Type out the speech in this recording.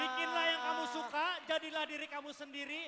bikinlah yang kamu suka jadilah diri kamu sendiri